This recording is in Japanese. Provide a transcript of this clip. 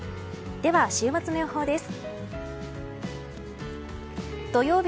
では、週末の予報です。